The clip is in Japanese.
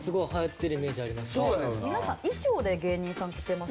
皆さん。